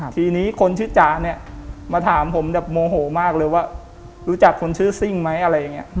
ทีนี้คนชื่อจ๋าเนี่ยมาถามผมแบบโมโหมากเลยว่ารู้จักคนชื่อซิ่งไหมอะไรอย่างนี้